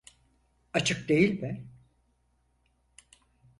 Açık değil mi?